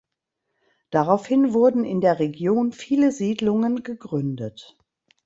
Daraufhin wurden in der Region viele Siedlungen gegründet.